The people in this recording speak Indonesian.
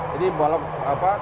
jadi kolom kolomnya dilebarin